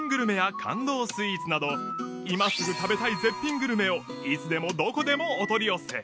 スイーツなど今すぐ食べたい絶品グルメをいつでもどこでもお取り寄せ